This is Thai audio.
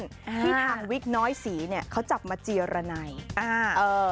ที่ทางวิกน้อยศรีเนี่ยเขาจับมาเจียรนัยอ่าเออ